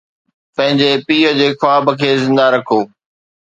پنهنجي پيءُ جي خواب کي زندهه رکو